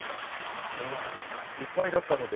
あああれはいっぱいだったので